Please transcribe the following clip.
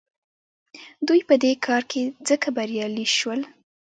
دوی په دې کار کې ځکه بریالي شول.